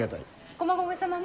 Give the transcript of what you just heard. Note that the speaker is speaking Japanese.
駒込様も？